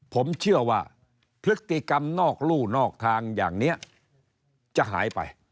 ผมเชื่อว่าพฤติกรรมนอกรู่นอกทางอย่างนี้จะหายไป